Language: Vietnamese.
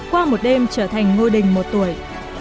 qua một đêm trở thành ngôi đình một tuổi